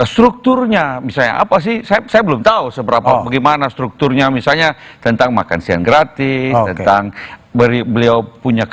strukturnya misalnya apa sih saya belum tahu seberapa bagaimana strukturnya misalnya tentang makan siang gratis tentang beliau punya